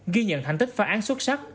ghi nhận thành tích phá án xuất sắc